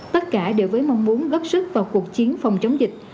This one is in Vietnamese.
tất cả đều với mong muốn góp sức vào cuộc chiến phòng chống dịch